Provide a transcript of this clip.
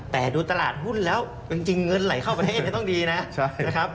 แต่ดูตลาดหุ้นแล้วจริงเงินไหลเข้าประเทศต้องดีนะครับ